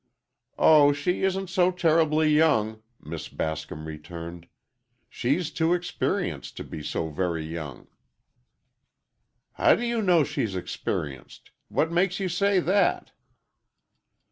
"Oh, she isn't so terribly young," Miss Bascom returned. "She's too experienced to be so very young." "How do you know she's experienced? What makes you say that?"